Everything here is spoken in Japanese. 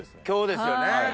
今日ですよね。